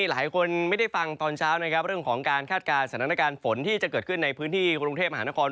หลายคนไม่ได้ฟังตอนเช้านะครับเรื่องของการคาดการณ์สถานการณ์ฝนที่จะเกิดขึ้นในพื้นที่กรุงเทพมหานคร